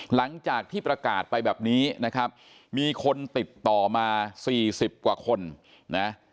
หลังจากที่ประกาศไปแบบนี้นะครับมีคนติดต่อมาสี่สิบกว่าคนนะ